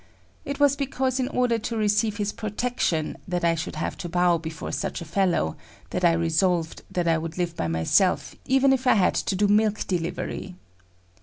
It was because in order to receive his protection that I should have to bow before such a fellow, that I resolved that I would live by myself even if I had to do milk delivery.